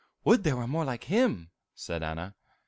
'" "Would there were more like him!" said Anna.